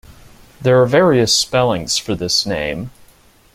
There are various spellings for this name.